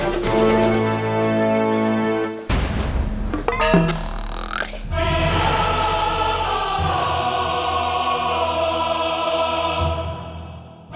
buah buahan ini yuk